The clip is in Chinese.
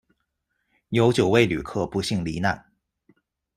有九位旅客不幸罹难